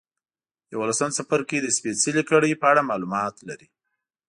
یوولسم څپرکی د سپېڅلې کړۍ په اړه معلومات لري.